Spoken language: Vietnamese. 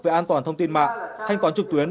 về an toàn thông tin mạng thanh toán trực tuyến